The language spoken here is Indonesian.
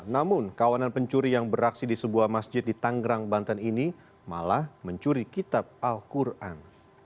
namun kawanan pencuri yang beraksi di sebuah masjid di tanggerang banten ini malah mencuri kitab al quran